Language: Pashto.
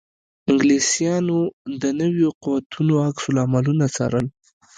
انګلیسیانو د نویو قوتونو عکس العملونه څارل.